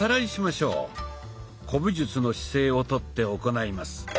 古武術の姿勢をとって行います。